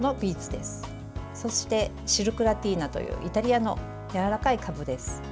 そして、シルクラティーナというイタリアのやわらかいかぶです。